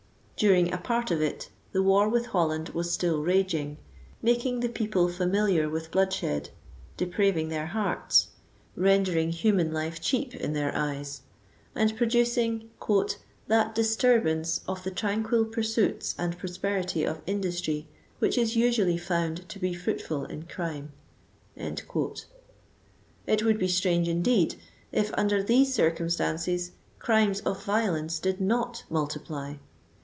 During a part of it, the war with Holland was still raging, making the people familiar with bloodshed, depraving their hearts, rendering human life cheap in their eyes, and producing "that disturbance of the tran quil pursuits and prosperity of industry, which is usually found to be fruitful in crime." It would be strange indeed, if, under these circumstances, crimes of violence did not multiply.